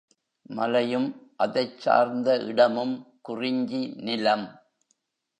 மலையும் அதைச் சார்ந்த இடமும் குறிஞ்சி நிலம்.